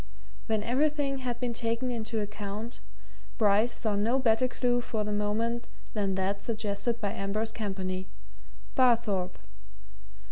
When everything had been taken into account, Bryce saw no better clue for the moment than that suggested by Ambrose Campany Barthorpe.